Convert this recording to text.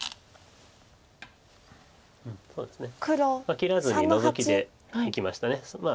切らずにノゾキでいきました。